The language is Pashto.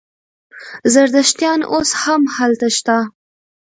زردشتیان اوس هم هلته شته.